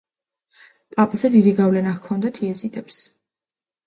პაპზე დიდი გავლენა ჰქონდათ იეზიდებს.